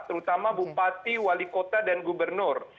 terutama bupati wali kota dan gubernur